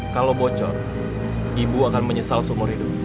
kalau bocor ibu akan menyesal seumur hidup